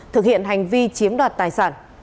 thực hiện hành vi chiếm đoạt tài sản